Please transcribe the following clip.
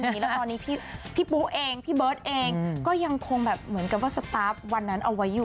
แล้วตอนนี้พี่ปุ๊เองพี่เบิร์ตเองก็ยังคงแบบเหมือนกับว่าสตาร์ฟวันนั้นเอาไว้อยู่